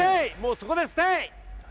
そこでステイ！